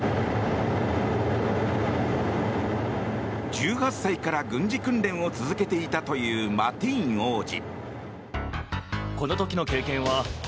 １８歳から軍事訓練を続けていたというマティーン王子。